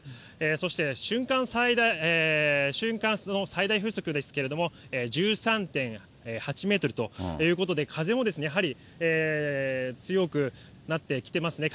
そして、瞬間の最大風速ですけれども、１３．８メートルということで、風もやはり強くなってきてますね。